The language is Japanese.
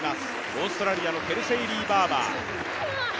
オーストラリアのケルセイ・リー・バーバー。